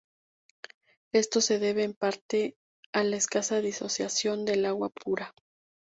Esto se debe en parte a la escasa disociación del agua pura.